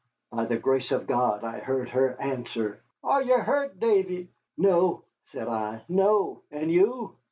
By the grace of God I heard her answer. "Are ye hurt, Davy?" "No," said I, "no. And you?"